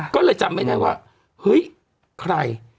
ก็เลยจำไม่ได้ว่าเฮ้ยใคร